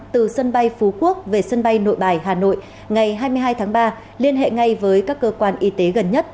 từ sân bay phú quốc về sân bay nội bài hà nội ngày hai mươi hai tháng ba liên hệ ngay với các cơ quan y tế gần nhất